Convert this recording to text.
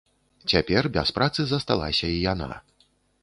Цяпер без працы засталася і яна.